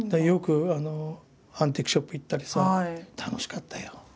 よくアンティークショップ行ったりさ楽しかったよ。